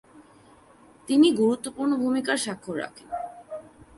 তিনি গুরুত্বপূর্ণ ভূমিকার স্বাক্ষর রাখেন।